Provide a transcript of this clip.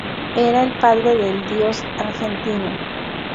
Era el padre del dios Argentino.